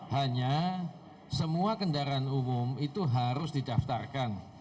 hanya semua kendaraan umum itu harus didaftarkan